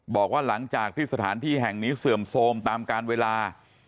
บอกว่าหลังจากที่สถานที่แห่งนี้เสื่อมโทรมตามการเวลา